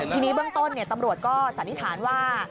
ทีนี้เบื้องต้นตำรวจก็สันนิษฐานว่า